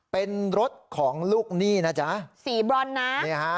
เป็นรถของลูกหนี้นะจ๊ะสีบรอนนะนี่ฮะ